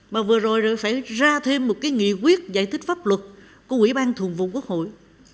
mà vừa rồi rồi phải ra thêm một cái nghị quyết giải thích pháp luật của quỹ ban thường vụ quốc hội